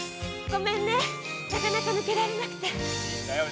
ごめんねなかなかぬけられなくて。